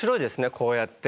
こうやって。